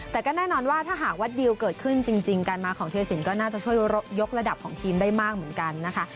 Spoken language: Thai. แต่ก็แน่นอนว่าถ้าหากวัดดิวเกิดขึ้นจริงการมาของเทียสินก็น่าจะช่วยยกระดับของทีมได้มากเหมือนกันนะคะ